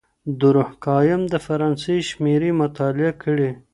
دورکهايم د فرانسې شمېرې مطالعه کړې.